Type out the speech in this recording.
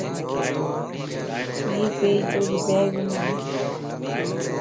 ايي پيج توجي بيگمن